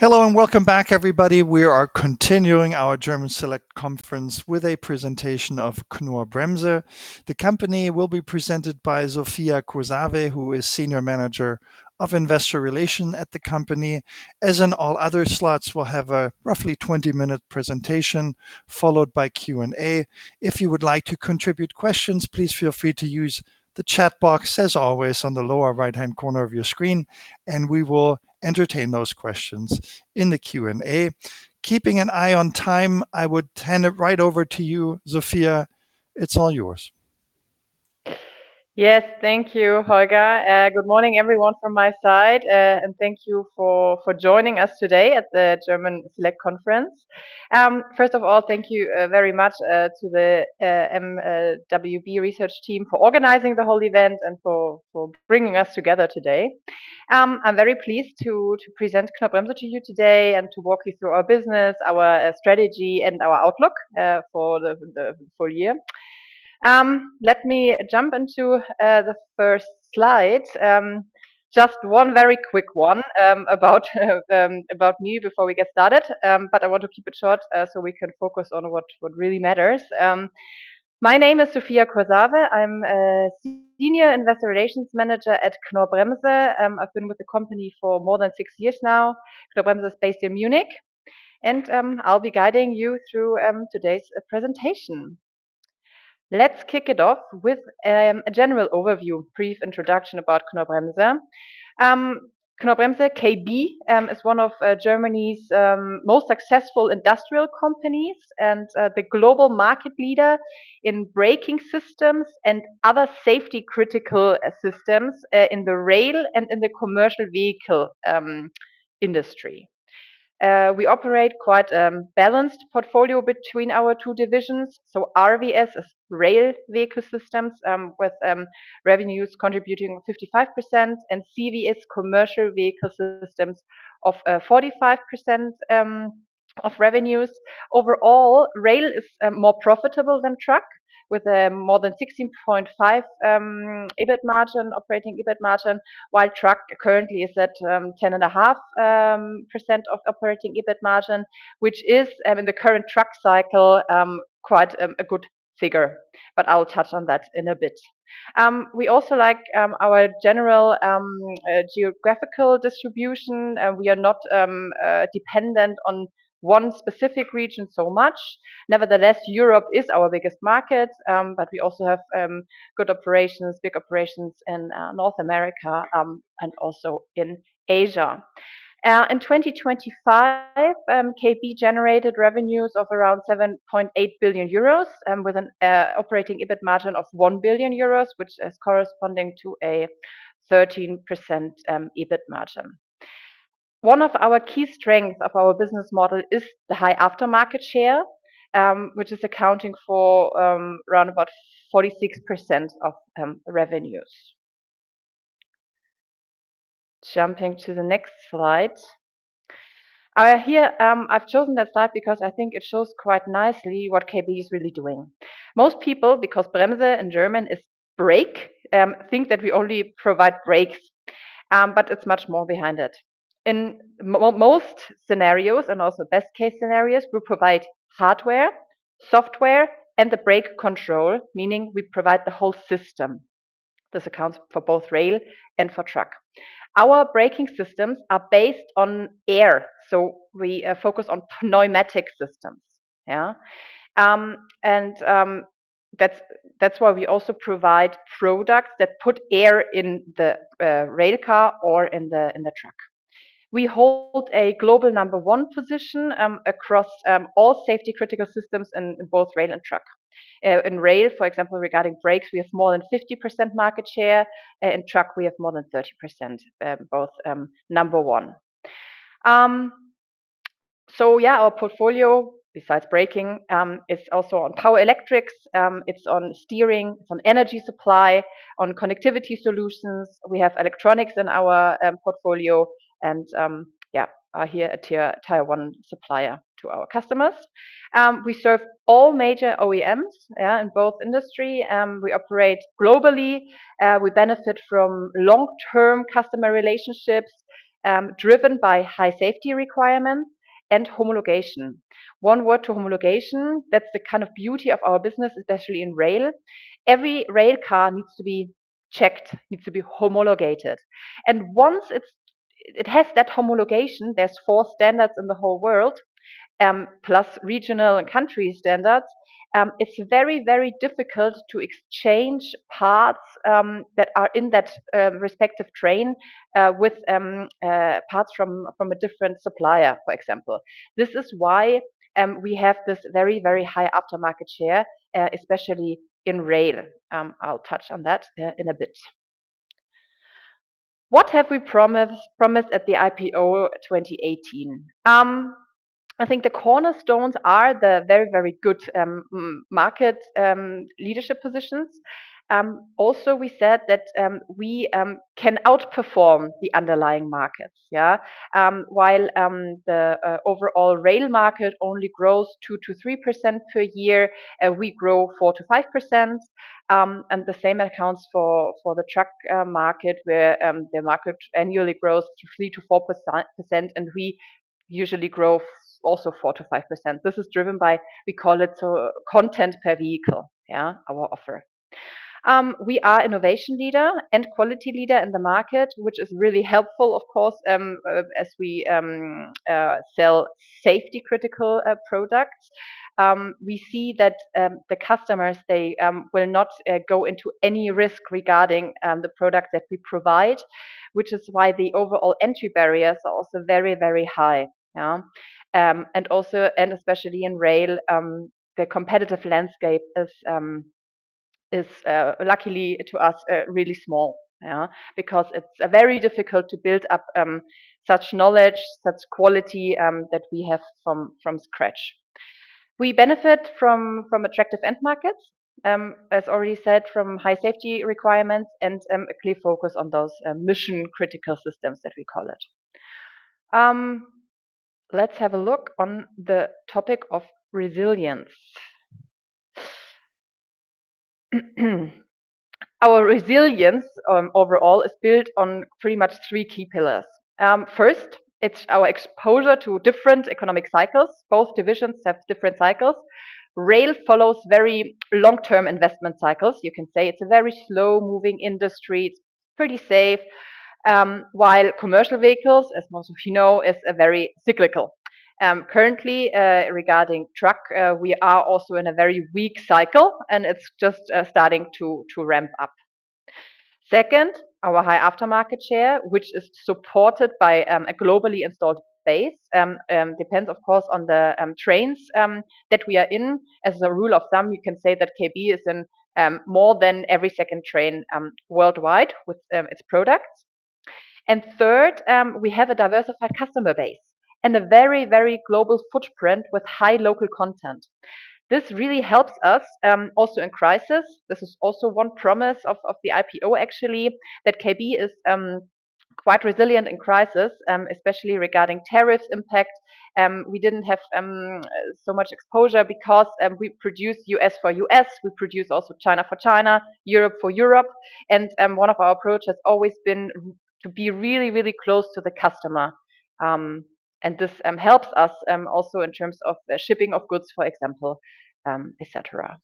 Hello and welcome back, everybody. We are continuing our German Select Conference with a presentation of Knorr-Bremse. The company will be presented by Sophia Kursawe, who is Senior Manager of Investor Relation at the company. As in all other slots, we'll have a roughly 20-minute presentation followed by Q&A. If you would like to contribute questions, please feel free to use the chat box as always on the lower right-hand corner of your screen, and we will entertain those questions in the Q&A. Keeping an eye on time, I would hand it right over to you, Sophia. It's all yours. Yes. Thank you, Holger. Good morning, everyone, from my side, and thank you for joining us today at the German Select Conference. First of all, thank you very much to the mwb research team for organizing the whole event and for bringing us together today. I'm very pleased to present Knorr-Bremse to you today and to walk you through our business, our strategy, and our outlook for the full year. Let me jump into the first slide. Just one very quick one about me before we get started, but I want to keep it short, so we can focus on what really matters. My name is Sophia Kursawe. I'm a Senior Investor Relations Manager at Knorr-Bremse. I've been with the company for more than six years now. Knorr-Bremse is based in Munich. I'll be guiding you through today's presentation. Let's kick it off with a general overview, brief introduction about Knorr-Bremse. Knorr-Bremse, KB, is one of Germany's most successful industrial companies and the global market leader in braking systems and other safety-critical systems in the rail and in the commercial vehicle industry. We operate quite a balanced portfolio between our two divisions. RVS is Rail Vehicle Systems, with revenues contributing 55%, and CVS, Commercial Vehicle Systems, of 45% of revenues. Overall, rail is more profitable than truck, with more than 16.5% EBIT margin, operating EBIT margin. While truck currently is at 10.5% of operating EBIT margin, which is, in the current truck cycle, quite a good figure. I'll touch on that in a bit. We also like our general geographical distribution. We are not dependent on one specific region so much. Nevertheless, Europe is our biggest market, but we also have good operations, big operations in North America, and also in Asia. In 2025, KB generated revenues of around 7.8 billion euros, with an operating EBIT margin of 1 billion euros, which is corresponding to a 13% EBIT margin. One of our key strengths of our business model is the high aftermarket share, which is accounting for round about 46% of revenues. Jumping to the next slide. Here, I've chosen that slide because I think it shows quite nicely what KB is really doing. Most people, because Bremse in German is brake, think that we only provide brakes, but it's much more behind it. In most scenarios, and also best case scenarios, we provide hardware, software, and the brake control, meaning we provide the whole system. This accounts for both rail and for truck. Our braking systems are based on air. We focus on pneumatic systems. Yeah. That's why we also provide products that put air in the rail car or in the truck. We hold a global number one position across all safety-critical systems in both rail and truck. In rail, for example, regarding brakes, we have more than 50% market share. In truck, we have more than 30%, both number one. Yeah, our portfolio, besides braking, is also on power electrics, it's on steering, it's on energy supply, on connectivity solutions. We have electronics in our portfolio, and are here a Tier 1 supplier to our customers. We serve all major OEMs in both industry. We operate globally. We benefit from long-term customer relationships, driven by high safety requirements and homologation. One word to homologation. That's the kind of beauty of our business, especially in rail. Every rail car needs to be checked, needs to be homologated. Once it has that homologation, there's four standards in the whole world, plus regional and country standards. It's very, very difficult to exchange parts that are in that respective train with parts from a different supplier, for example. This is why we have this very, very high aftermarket share, especially in rail. I'll touch on that in a bit. What have we promised at the IPO 2018? I think the cornerstones are the very, very good market leadership positions. Also, we said that we can outperform the underlying markets. Yeah. While the overall rail market only grows 2%-3% per year, we grow 4%-5%. The same accounts for the truck market, where the market annually grows 3%-4%, and we usually grow also 4%-5%. This is driven by, we call it, content per vehicle, our offer. We are innovation leader and quality leader in the market, which is really helpful, of course, as we sell safety-critical products. We see that the customers, they will not go into any risk regarding the product that we provide, which is why the overall entry barriers are also very, very high. Also, and especially in rail, the competitive landscape is, luckily to us, really small because it's very difficult to build up such knowledge, such quality that we have from scratch. We benefit from attractive end markets, as already said, from high safety requirements and a clear focus on those mission-critical systems that we call it. Let's have a look on the topic of resilience. Our resilience, overall, is built on pretty much three key pillars. First, it's our exposure to different economic cycles. Both divisions have different cycles. Rail follows very long-term investment cycles. You can say it's a very slow-moving industry. It's pretty safe, while commercial vehicles, as most of you know, is very cyclical. Currently, regarding truck, we are also in a very weak cycle, and it's just starting to ramp up. Second, our high aftermarket share, which is supported by a globally installed base, depends, of course, on the trains that we are in. As a rule of thumb, you can say that Knorr-Bremse is in more than every second train worldwide with its products. Third, we have a diversified customer base and a very global footprint with high local content. This really helps us, also in crisis. This is also one promise of the IPO, actually, that Knorr-Bremse is quite resilient in crisis, especially regarding tariff impact. We didn't have so much exposure because we produce U.S. for U.S., we produce also China for China, Europe for Europe. One of our approach has always been to be really close to the customer, and this helps us also in terms of shipping of goods, for example, et cetera.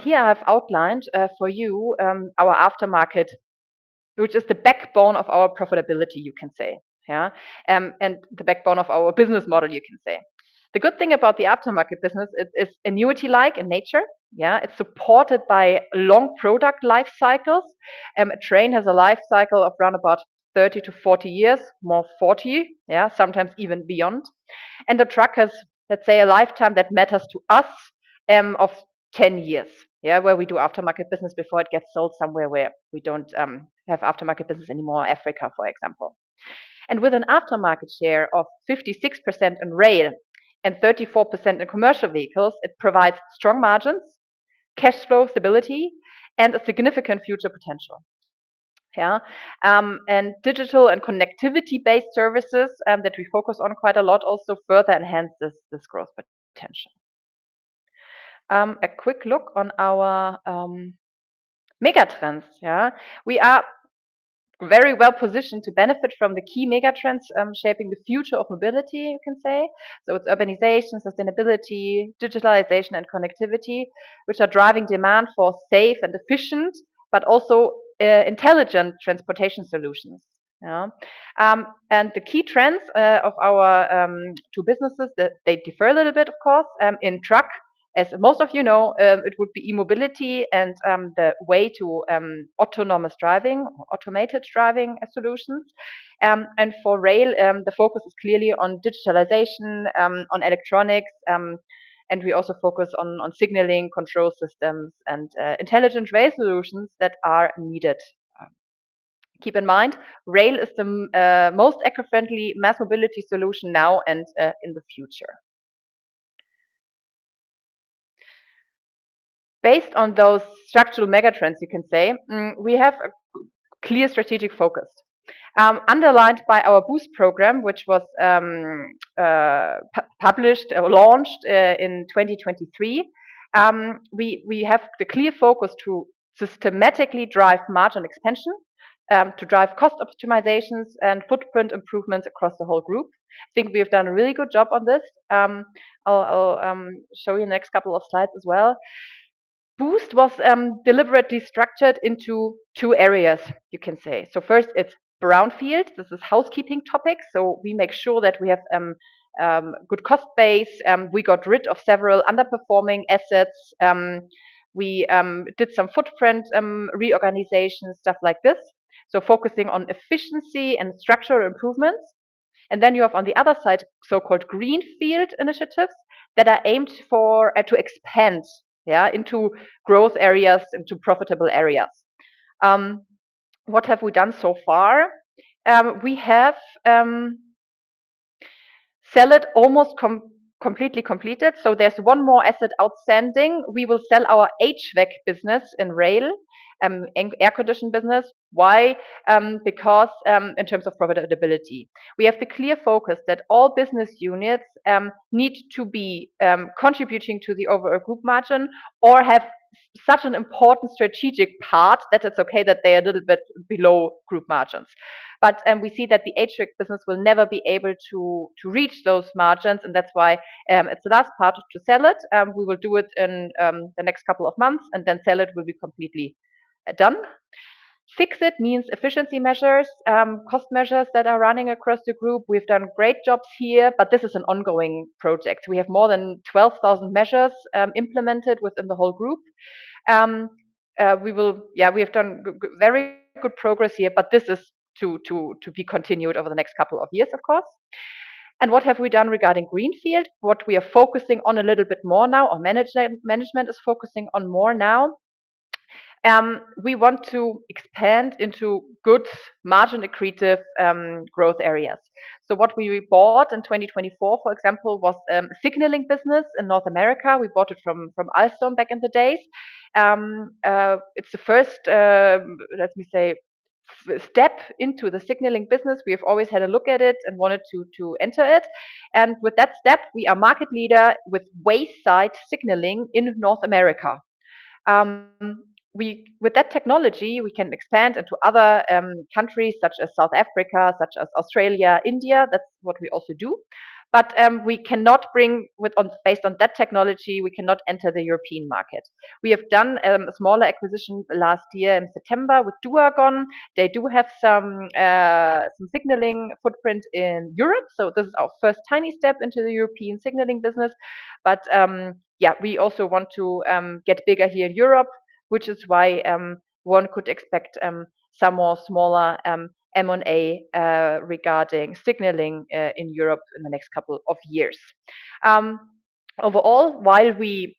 Here I've outlined for you our aftermarket, which is the backbone of our profitability, you can say. The backbone of our business model, you can say. The good thing about the aftermarket business, it's annuity-like in nature. It's supported by long product life cycles. A train has a life cycle of around about 30-40 years, more 40. Sometimes even beyond. A truck has, let's say, a lifetime that matters to us, of 10 years. Where we do aftermarket business before it gets sold somewhere where we don't have aftermarket business anymore, Africa, for example. With an aftermarket share of 56% in rail and 34% in commercial vehicles, it provides strong margins, cash flow stability, and a significant future potential. Yeah. Digital and connectivity-based services that we focus on quite a lot also further enhance this growth potential. A quick look on our megatrends. Yeah. We are very well positioned to benefit from the key megatrends shaping the future of mobility, you can say. It's urbanization, sustainability, digitalization, and connectivity, which are driving demand for safe and efficient, but also intelligent transportation solutions. Yeah. The key trends of our two businesses, they differ a little bit, of course. In truck, as most of you know, it would be e-mobility and the way to autonomous driving, automated driving solutions. For rail, the focus is clearly on digitalization, on electronics, and we also focus on signaling control systems and intelligent rail solutions that are needed. Keep in mind, rail is the most eco-friendly mass mobility solution now and in the future. Based on those structural megatrends, you can say, we have a clear strategic focus underlined by our BOOST program, which was published or launched in 2023. We have the clear focus to systematically drive margin expansion, to drive cost optimizations and footprint improvements across the whole Group. I think we have done a really good job on this. I'll show you next couple of slides as well. BOOST was deliberately structured into two areas, you can say. First, it's brownfield. This is housekeeping topics. We make sure that we have good cost base. We got rid of several underperforming assets. We did some footprint reorganization, stuff like this, focusing on efficiency and structural improvements. You have on the other side, so-called greenfield initiatives that are aimed to expand into growth areas, into profitable areas. What have we done so far? We have almost completely completed, so there is one more asset outstanding. We will sell our HVAC business in rail, air condition business. Why? In terms of profitability, we have the clear focus that all business units need to be contributing to the overall group margin or have such an important strategic part that it is okay that they are a little bit below group margins. We see that the HVAC business will never be able to reach those margins, and that is why it is the last part to sell it. We will do it in the next couple of months and then sell it. We'll be completely done. Fix-it means efficiency measures, cost measures that are running across the Group. We've done great jobs here. This is an ongoing project. We have more than 12,000 measures implemented within the whole Group. We have done very good progress here. This is to be continued over the next couple of years, of course. What have we done regarding greenfield? What we are focusing on a little bit more now, or management is focusing on more now, we want to expand into good margin accretive growth areas. What we bought in 2024, for example, was a signaling business in North America. We bought it from Alstom back in the day. It's the first, let me say, step into the signaling business. We have always had a look at it and wanted to enter it. With that step, we are market leader with Wayside Signaling in North America. With that technology, we can expand into other countries such as South Africa, such as Australia, India. That's what we also do. Based on that technology, we cannot enter the European market. We have done a smaller acquisition last year in September with duagon. They do have some signaling footprint in Europe. This is our first tiny step into the European signaling business. Yeah, we also want to get bigger here in Europe, which is why one could expect some more smaller M&A regarding signaling in Europe in the next couple of years. Overall, while we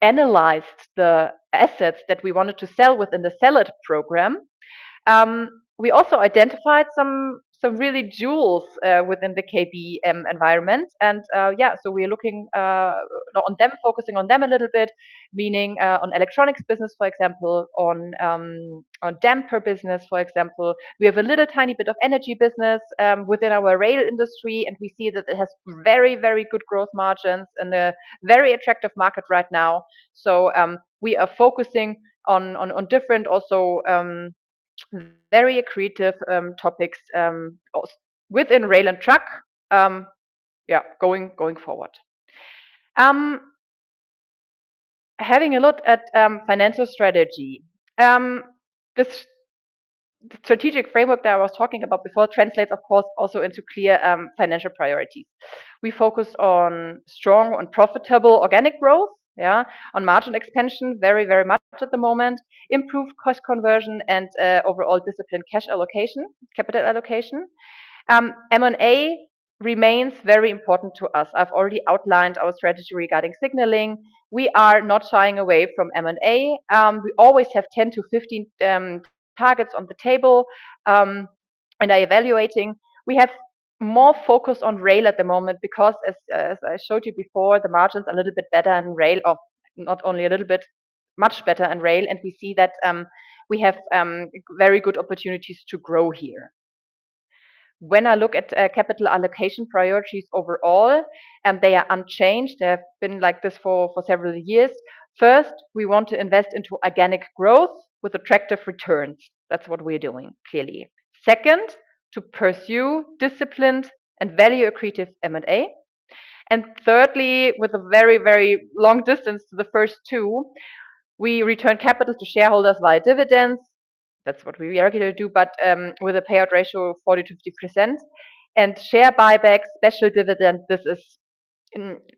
analyzed the assets that we wanted to sell within the Sell-It program, we also identified some really jewels within the KB environment. Yeah, we're looking on them, focusing on them a little bit, meaning on electronics business, for example, on damper business, for example. We have a little tiny bit of energy business within our rail industry, and we see that it has very good growth margins and a very attractive market right now. We are focusing on different, also very accretive topics within rail and truck going forward. Having a look at financial strategy. The strategic framework that I was talking about before translates, of course, also into clear financial priorities. We focus on strong and profitable organic growth on margin expansion very much at the moment, improved cost conversion and overall disciplined cash allocation, capital allocation. M&A remains very important to us. I've already outlined our strategy regarding signaling. We are not shying away from M&A. We always have 10-15 targets on the table and are evaluating. We have more focus on rail at the moment because, as I showed you before, the margins are a little bit better in rail, or not only a little bit, much better in rail, and we see that we have very good opportunities to grow here. When I look at capital allocation priorities overall, and they are unchanged, they have been like this for several years. First, we want to invest into organic growth with attractive returns. That's what we're doing, clearly. Second, to pursue disciplined and value accretive M&A. Thirdly, with a very long distance to the first two, we return capital to shareholders via dividends. That's what we are going to do, but with a payout ratio of 40%-50%. Share buybacks, special dividend, this is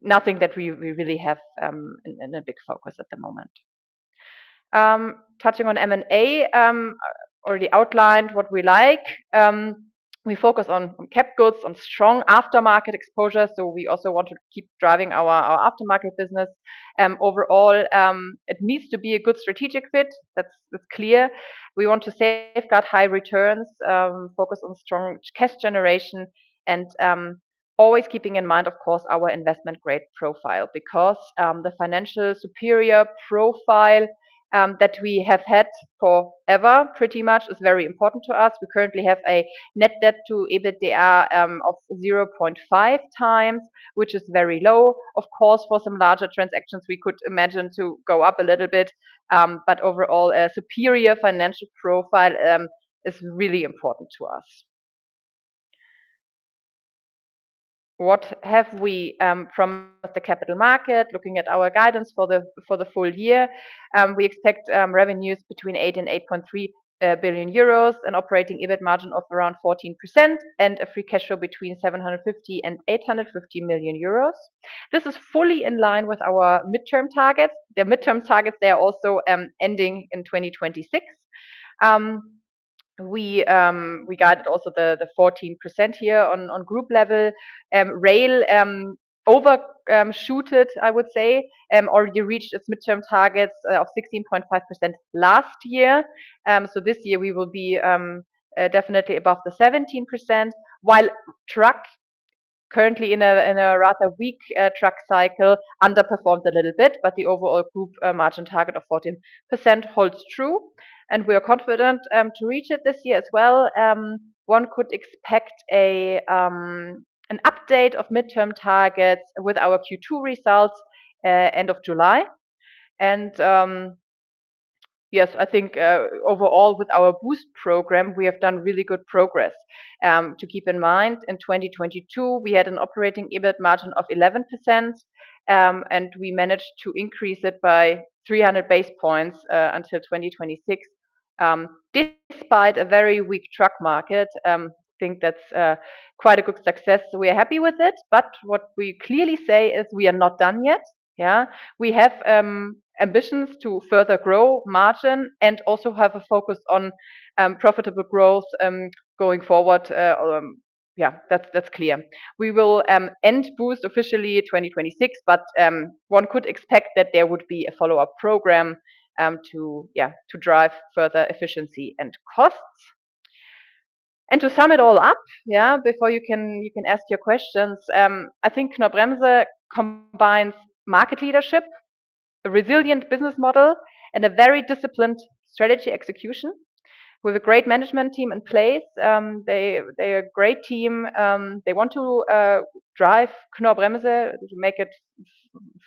nothing that we really have in a big focus at the moment. Touching on M&A, already outlined what we like. We focus on CapEx on strong aftermarket exposure. We also want to keep driving our aftermarket business. Overall, it needs to be a good strategic fit, that's clear. We want to safeguard high returns, focus on strong cash generation, and always keeping in mind, of course, our investment-grade profile, because the financial superior profile that we have had forever, pretty much, is very important to us. We currently have a net debt to EBITDA of 0.5x, which is very low. Of course, for some larger transactions, we could imagine to go up a little bit, but overall, a superior financial profile is really important to us. What have we from the capital market, looking at our guidance for the full year? We expect revenues between 8 billion and 8.3 billion euros, an operating EBIT margin of around 14%, and a free cash flow between 750 million and 850 million euros. This is fully in line with our midterm targets. The midterm targets, they are also ending in 2026. We guided also the 14% here on group level. Rail overshot it, I would say, already reached its midterm targets of 16.5% last year. This year we will be definitely above the 17%, while truck, currently in a rather weak truck cycle, underperformed a little bit, but the overall group margin target of 14% holds true, and we are confident to reach it this year as well. One could expect an update of midterm targets with our Q2 results end of July. Yes, I think overall with our BOOST program, we have done really good progress. To keep in mind, in 2022, we had an operating EBIT margin of 11%, and we managed to increase it by 300 basis points until 2026, despite a very weak truck market. I think that's quite a good success, so we're happy with it. What we clearly say is we are not done yet. Yeah. We have ambitions to further grow margin and also have a focus on profitable growth going forward. Yeah, that's clear. We will end BOOST officially 2026, but one could expect that there would be a follow-up program to drive further efficiency and costs. To sum it all up, before you can ask your questions, I think Knorr-Bremse combines market leadership, a resilient business model, and a very disciplined strategy execution with a great management team in place. They're a great team. They want to drive Knorr-Bremse to make it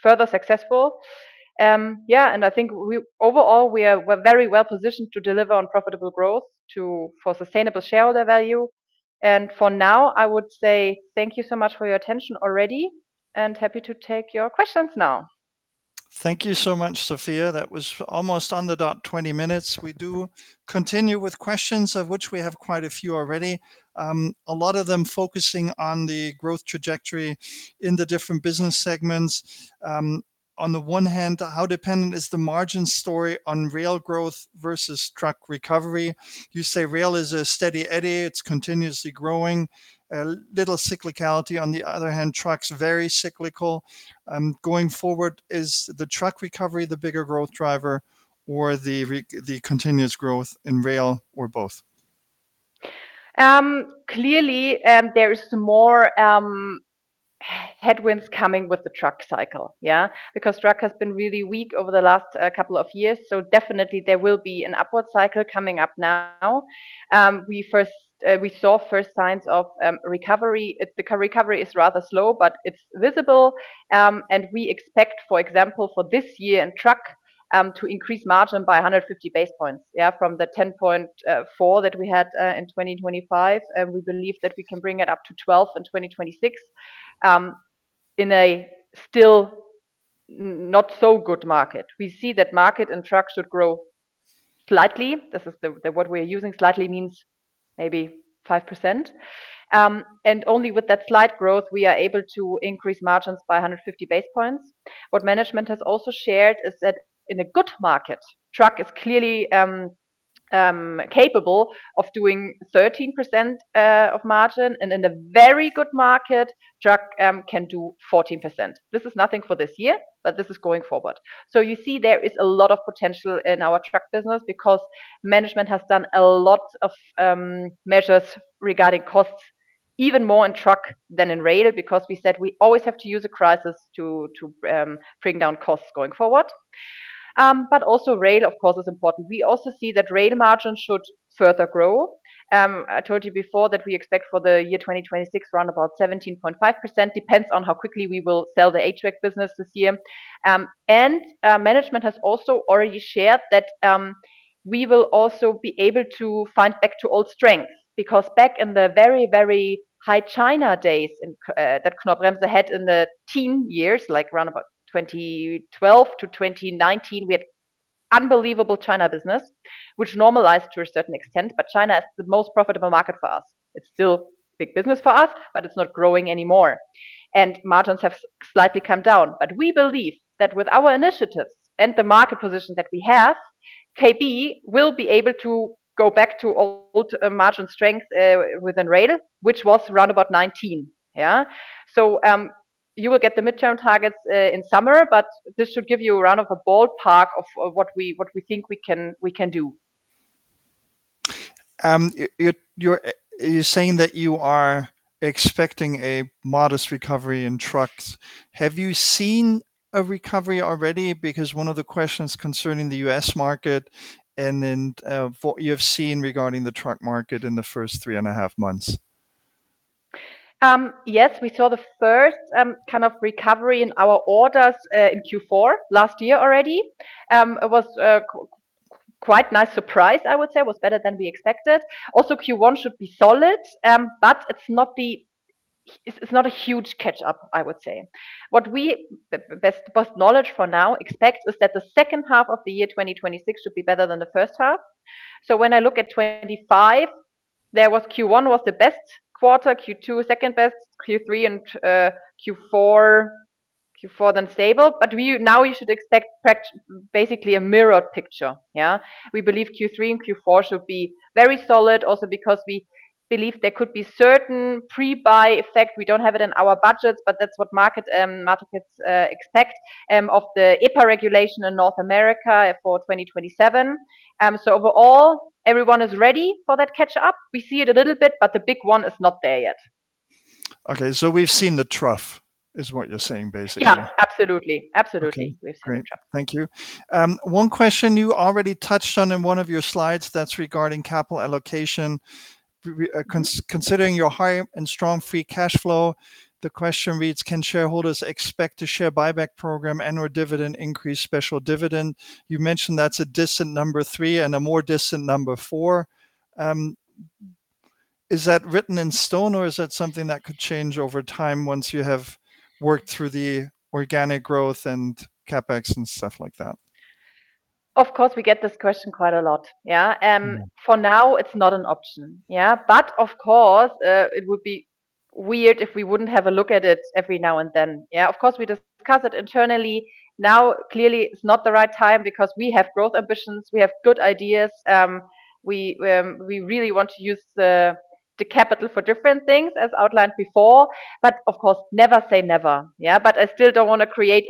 further successful. Yeah, I think overall, we're very well positioned to deliver on profitable growth for sustainable shareholder value. For now, I would say thank you so much for your attention already, and happy to take your questions now. Thank you so much, Sophia. That was almost on the dot 20 minutes. We do continue with questions of which we have quite a few already, a lot of them focusing on the growth trajectory in the different business segments. On the one hand, how dependent is the margin story on rail growth versus truck recovery? You say rail is a steady eddy. It's continuously growing, a little cyclicality. On the other hand, trucks, very cyclical. Going forward, is the truck recovery the bigger growth driver or the continuous growth in rail, or both? Clearly, there is some more headwinds coming with the truck cycle, yeah. Because truck has been really weak over the last couple of years, so definitely there will be an upward cycle coming up now. We saw first signs of recovery. The recovery is rather slow, but it's visible. We expect, for example, for this year in truck to increase margin by 150 basis points. Yeah. From the 10.4% that we had in 2025, we believe that we can bring it up to 12% in 2026, in a still not so good market. We see that market and truck should grow slightly. This is the word we're using. Slightly means maybe 5%. Only with that slight growth, we are able to increase margins by 150 basis points. What management has also shared is that in a good market, truck is clearly capable of doing 13% of margin. In a very good market, truck can do 14%. This is nothing for this year, but this is going forward. You see there is a lot of potential in our truck business because management has done a lot of measures regarding costs, even more in truck than in rail, because we said we always have to use a crisis to bring down costs going forward. Also rail, of course, is important. We also see that rail margins should further grow. I told you before that we expect for the year 2026 around about 17.5%, depends on how quickly we will sell the HVAC business this year. Management has also already shared that we will also be able to find back to old strength, because back in the very, very high China days that Knorr-Bremse had in the teen years, like around about 2012-2019, we had unbelievable China business, which normalized to a certain extent, but China is the most profitable market for us. It's still big business for us, but it's not growing anymore. Margins have slightly come down. We believe that with our initiatives and the market position that we have, KB will be able to go back to old margin strength within radius, which was around about 19%. Yeah. You will get the midterm targets in summer, but this should give you around of a ballpark of what we think we can do. You're saying that you are expecting a modest recovery in trucks. Have you seen a recovery already, because one of the questions concerning the U.S. market and then what you have seen regarding the truck market in the first three and a half months? Yes, we saw the first kind of recovery in our orders in Q4 last year already. It was quite nice surprise, I would say. It was better than we expected. Also, Q1 should be solid, but it's not a huge catch-up, I would say. What we, best knowledge for now, expect is that the second half of the year 2026 should be better than the first half. When I look at 2025, Q1 was the best quarter, Q2 second best, Q3 and Q4 then stable. Now we should expect basically a mirror picture. Yeah. We believe Q3 and Q4 should be very solid also because we believe there could be certain pre-buy effect. We don't have it in our budgets, but that's what markets expect, of the EPA regulation in North America for 2027. Overall, everyone is ready for that catch-up. We see it a little bit, but the big one is not there yet. Okay. We've seen the trough is what you're saying, basically. Yeah, absolutely. Okay. We've seen the trough. Great. Thank you. One question you already touched on in one of your slides, that's regarding capital allocation. Considering your high and strong free cash flow, the question reads, Can shareholders expect a share buyback program and/or dividend increase, special dividend? You mentioned that's a distant number three and a more distant number four. Is that written in stone or is that something that could change over time once you have worked through the organic growth and CapEx and stuff like that? Of course, we get this question quite a lot. Yeah. For now, it's not an option. Yeah. Of course, it would be weird if we wouldn't have a look at it every now and then. Yeah. Of course, we discuss it internally. Now, clearly it's not the right time because we have growth ambitions. We have good ideas. We really want to use the capital for different things as outlined before, but of course, never say never. Yeah. I still don't want to create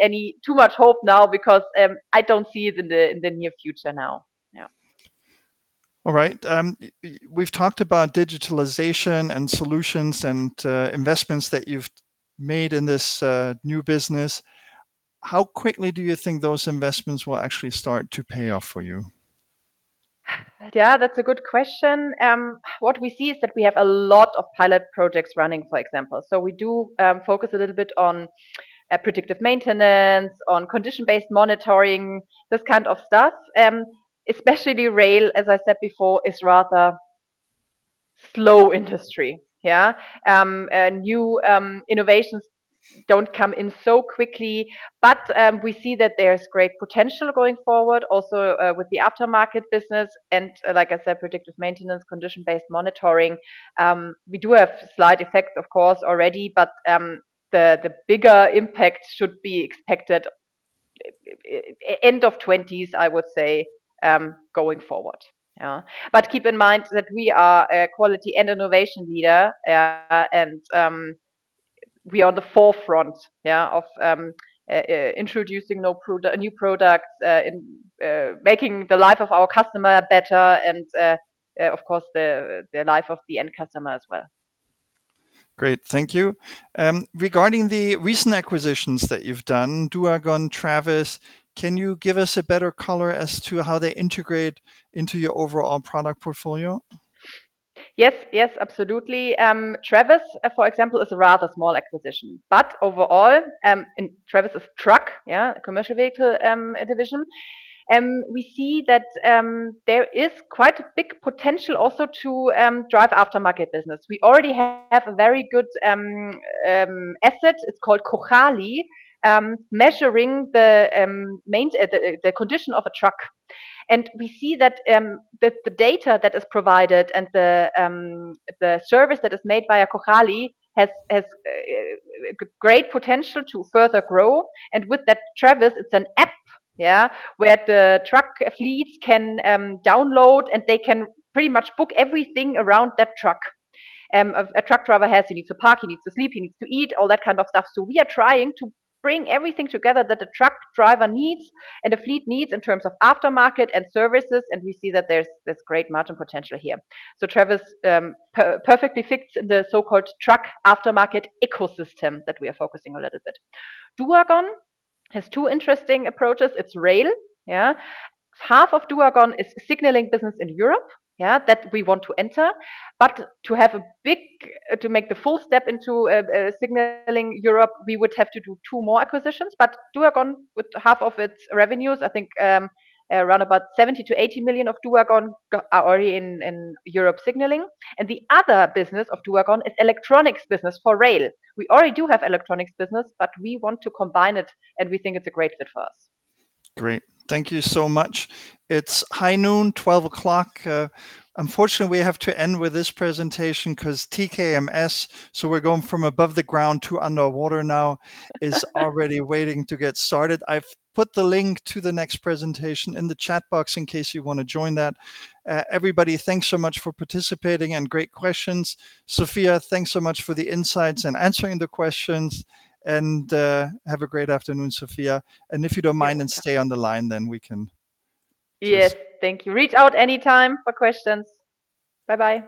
too much hope now because I don't see it in the near future now. Yeah. All right. We've talked about digitalization and solutions and investments that you've made in this new business. How quickly do you think those investments will actually start to pay off for you? Yeah, that's a good question. What we see is that we have a lot of pilot projects running, for example. We do focus a little bit on predictive maintenance, on condition-based monitoring, this kind of stuff. Especially rail, as I said before, is rather slow industry. Yeah. New innovations don't come in so quickly. We see that there's great potential going forward also, with the aftermarket business and, like I said, predictive maintenance, condition-based monitoring. We do have slight effects, of course, already, but the bigger impact should be expected end of 2020s, I would say, going forward. Yeah. Keep in mind that we are a quality and innovation leader. We are on the forefront, yeah, of introducing new products, making the life of our customer better and, of course, the life of the end customer as well. Great. Thank you. Regarding the recent acquisitions that you've done, duagon, TRAVIS, can you give us a better color as to how they integrate into your overall product portfolio? Yes. Absolutely. TRAVIS, for example, is a rather small acquisition. Overall, TRAVIS is truck, yeah, Commercial Vehicle division. We see that there is quite a big potential also to drive aftermarket business. We already have a very good asset, it's called Cojali, measuring the condition of a truck. We see that the data that is provided and the service that is made by a Cojali has great potential to further grow. With that, TRAVIS, it's an app, yeah, where the truck fleets can download, and they can pretty much book everything around that truck. A truck driver, he needs to park, he needs to sleep, he needs to eat, all that kind of stuff. So we are trying to bring everything together that a truck driver needs and a fleet needs in terms of aftermarket and services, and we see that there's this great margin potential here. So TRAVIS, perfectly fits in the so-called truck aftermarket ecosystem that we are focusing a little bit. duagon has two interesting approaches. It's rail. Yeah. Half of duagon is signaling business in Europe, yeah, that we want to enter. But to make the full step into signaling Europe, we would have to do two more acquisitions. But duagon, with half of its revenues, I think, around about 70 to 80 million of duagon are already in Europe signaling. And the other business of duagon is electronics business for rail. We already do have electronics business, but we want to combine it, and we think it's a great fit for us. Great. Thank you so much. It's high noon, 12:00 P.M. Unfortunately, we have to end with this presentation because TKMS, so we're going from above the ground to underwater now, is already waiting to get started. I've put the link to the next presentation in the chat box in case you want to join that. Everybody, thanks so much for participating and great questions. Sophia, thanks so much for the insights and answering the questions, and have a great afternoon, Sophia. If you don't mind, then stay on the line. Yes. Thank you. Reach out anytime for questions. Bye-bye.